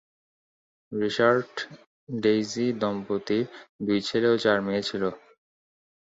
Richard-Daisy দম্পতির দুই ছেলে ও চার মেয়ে ছিল।